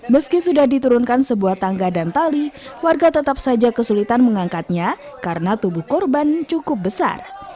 meski sudah diturunkan sebuah tangga dan tali warga tetap saja kesulitan mengangkatnya karena tubuh korban cukup besar